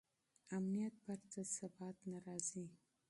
امنیت پرته ثبات نه راځي.